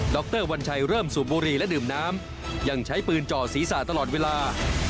รวัญชัยเริ่มสูบบุหรี่และดื่มน้ำยังใช้ปืนจ่อศีรษะตลอดเวลา